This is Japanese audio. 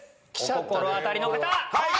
お心当たりの方！